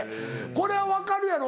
これは分かるやろ？